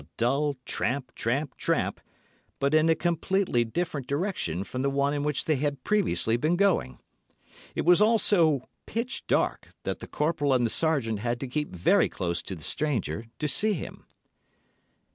A dull tramp, tramp, tramp, but in a completely different direction from the one in which they had previously been going. It was all so pitch dark that the corporal and the sergeant had to keep very close to the stranger to see him.